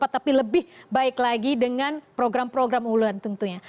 tapi lebih baik lagi dengan program program unggulan tentunya